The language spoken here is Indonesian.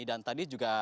dan tadi juga